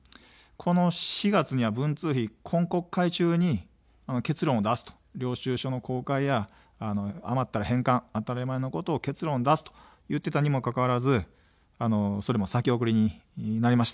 この４月には文通費、今国会中に結論を出すと、領収書の公開や余ったら返還、当たり前のことを結論出すと言っていたにもかかわらず、それも先送りになりました。